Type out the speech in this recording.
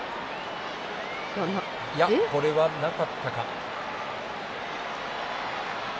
これはなかったか。